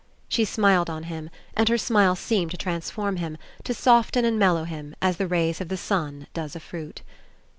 She smiled on him, and her smile seemed to transform him, to soften and mellow him, as the rays of the sun does a fruit.